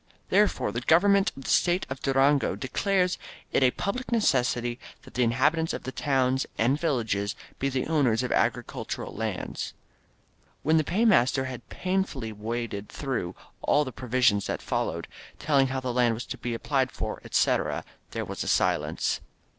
..• "Therefore^ the Government of the State of Durango declares it a public necessity that the inhabitants of the towns and villages be the owners of agricultural lands. » When the paymaster had painfully waded through all the provisions that followed, telling how the land was to be applied for, etc., there was a silence.